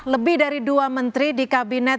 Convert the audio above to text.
lebih dari dua menteri di kabinet